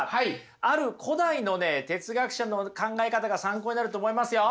ある古代のね哲学者の考え方が参考になると思いますよ。